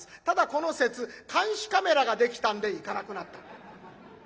ただこの節監視カメラができたんで行かなくなった。